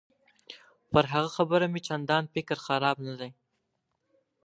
پر هغه خبره مې چندان فکر خراب نه دی.